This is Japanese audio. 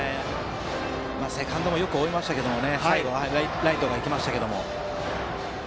セカンドもよく追いましたが最後はライトが行きましたね。